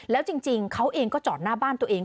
แล้วจริงเขาเองก็จอดหน้าบ้านตัวเอง